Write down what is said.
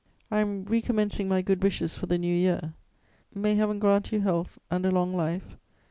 "I am recommencing my good wishes for the New Year: may Heaven grant you health and a long life!